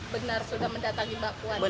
benar sudah mendatangi mbak puan